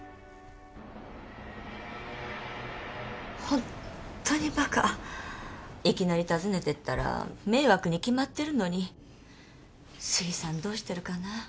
ホントにバカいきなり訪ねてったら迷惑に決まってるのに杉さんどうしてるかな？